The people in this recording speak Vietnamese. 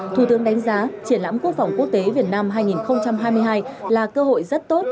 thủ tướng đánh giá triển lãm quốc phòng quốc tế việt nam hai nghìn hai mươi hai là cơ hội rất tốt